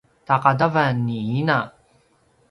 taqadavan ni ina